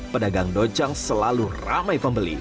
pedagang dojang selalu ramai pembeli